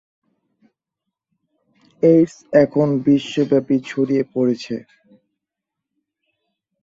AIDS এখন বিশ্বব্যাপী ছড়িয়ে পড়েছে।